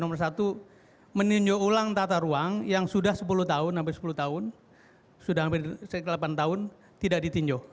nomor satu meninjau ulang tata ruang yang sudah sepuluh tahun sampai sepuluh tahun sudah hampir delapan tahun tidak ditinjau